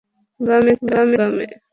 বামে, স্যার, বামে!